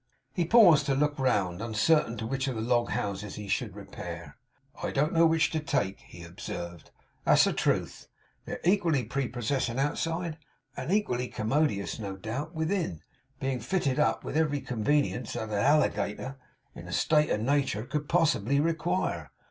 He paused to look round, uncertain to which of the log houses he should repair. 'I don't know which to take,' he observed; 'that's the truth. They're equally prepossessing outside, and equally commodious, no doubt, within; being fitted up with every convenience that a Alligator, in a state of natur', could possibly require.